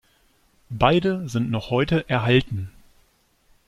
Beide sind noch heute erhalten.